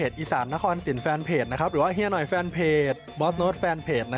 จิปฝา